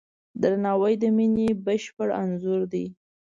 درناوی د مینې بشپړ انځور دی.